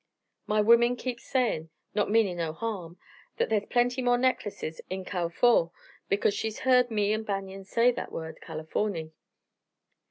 "My womern keeps sayin' not meanin' no harm thet thar's plenty more necklaces in Cal'for; because she's heard me an' Banion say that word, 'Californy.'